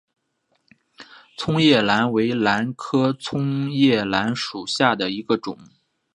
葱叶兰为兰科葱叶兰属下的一个种。